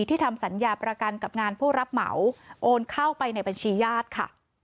ทำสัญญาประกันกับงานผู้รับเหมาโอนเข้าไปในบัญชีญาติค่ะ